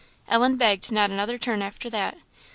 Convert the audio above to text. Ellen took not another turn after that.